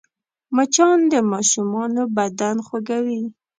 مچان د ماشومانو بدن خوږوي